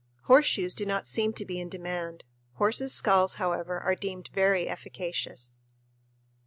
Horseshoes do not seem to be in demand. Horses' skulls, however, are deemed very efficacious.